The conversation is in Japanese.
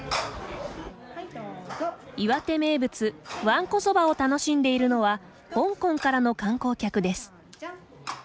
岩手名物わんこそばを楽しんでいるのは香港からの観光客です。